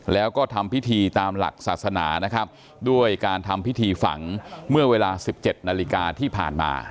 แล้วก็ทำพิธีตามหลักศาสนานะครับด้วยการทำพิธีฝังเมื่อเวลา๑๗นาฬิกาที่ผ่านมา